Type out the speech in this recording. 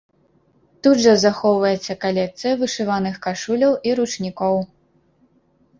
Тут жа захоўваецца калекцыя вышываных кашуляў і ручнікоў.